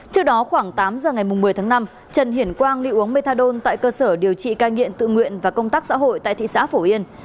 trước đó khoảng tám giờ ngày một mươi tháng năm trần hiển quang đi uống methadone tại cơ sở điều trị cai nghiện tự nguyện và công tác xã hội tại thị xã phổ yên